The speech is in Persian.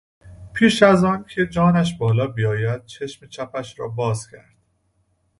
پیش از آن که جانش بالا بیاید چشم چپش را باز کرد.